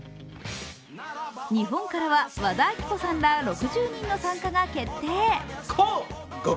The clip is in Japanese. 日本からは和田アキ子さんら６０人の参加が決定。